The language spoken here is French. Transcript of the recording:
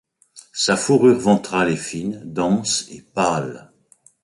Sa fourrure ventrale est fine, dense et pâle.